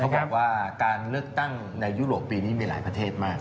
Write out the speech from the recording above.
บอกว่าการเลือกตั้งในยุโรปปีนี้มีหลายประเทศมาก